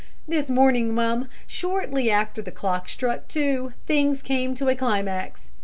This morning, mum, shortly after the clock struck two, things came to a climax.